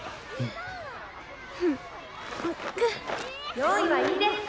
「用意はいいですか」。